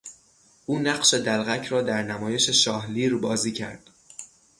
او نقش دلقک را در نمایش شاهلیر بازی کرد.